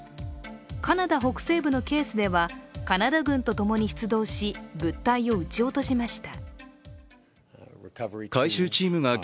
カナダ北西部のケースではカナダ軍とともに出動し、物体を撃ち落としました。